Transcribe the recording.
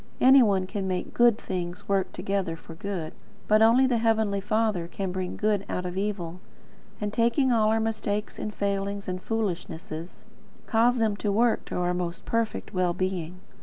Any one can make GOOD things work together for good: but only the Heavenly Father can bring good out of evil; and, taking all our mistakes and failings and foolishnesses, cause them to work to our most perfect well being.